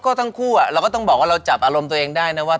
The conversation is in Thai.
ก็ทั้งคู่เราก็ต้องบอกว่าเราจับอารมณ์ตัวเองได้นะว่า